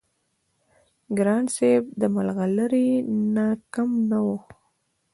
ګران صاحب د ملغلرې نه کم نه وو-